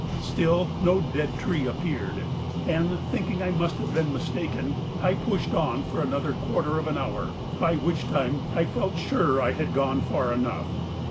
Still no dead tree appeared, and thinking I must have been mistaken, I pushed on for another quarter of an hour, by which time I felt sure I had gone far enough.